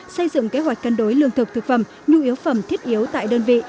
xây dựng kế hoạch cân đối lương thực thực phẩm nhu yếu phẩm thiết yếu tại đơn vị